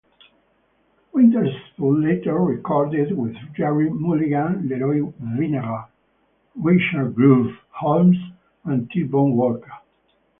Witherspoon later recorded with Gerry Mulligan, Leroy Vinnegar, Richard "Groove" Holmes and T-Bone Walker.